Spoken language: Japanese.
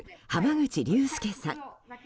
濱口竜介さん。